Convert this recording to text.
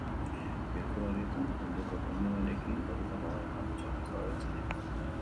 Bilkura horietan, munduko ekonomiarekin lotutako gai garrantzitsuak eztabaidatzen dira.